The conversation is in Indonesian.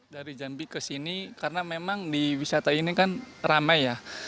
dari jambi ke sini karena memang di wisata ini kan ramai ya